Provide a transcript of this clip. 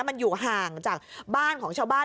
มันอยู่ห่างจากบ้านของชาวบ้าน